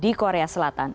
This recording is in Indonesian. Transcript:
di korea selatan